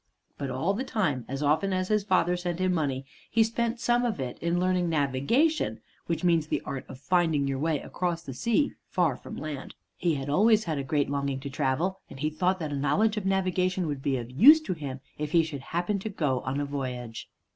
But all the time, as often as his father sent him money, he spent some of it in learning navigation (which means the art of finding your way across the sea, far from land). He had always had a great longing to travel, and he thought that a knowledge of navigation would be of use to him if he should happen to go a voyage.